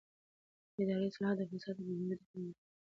اداري اصلاحات د فساد او بې باورۍ د کمولو لپاره اړین دي